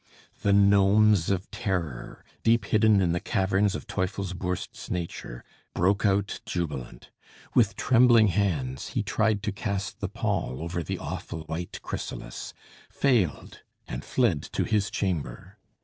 The gnomes of terror, deep hidden in the caverns of Teufelsbürst's nature, broke out jubilant. With trembling hands he tried to cast the pall over the awful white chrysalis, failed, and fled to his chamber.